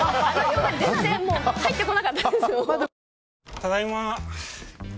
ただいま。